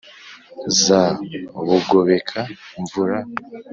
za bugobeka-mvura,